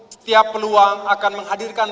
setiap peluang akan menghadirkan